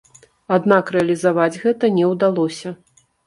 Аднак рэалізаваць гэта не ўдалося.